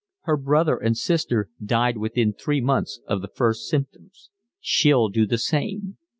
"Her brother and sister died within three months of the first symptoms. She'll do the same.